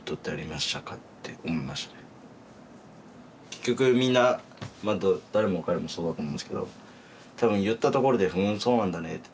結局みんな誰も彼もそうだと思うんですけど多分言ったところで「ふんそうなんだね」って